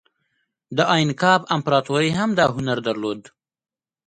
د اینکا امپراتورۍ هم دا هنر درلود.